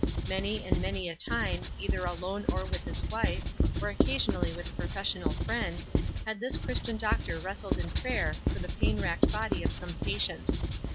Many and many a time, either alone or with his wife, or occasionally with a professional friend, had this Christian doctor wrestled in prayer for the pain racked body of some patient.